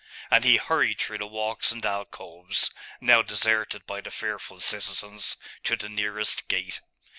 And he hurried through the walks and alcoves, now deserted by the fearful citizens, to the nearest gate.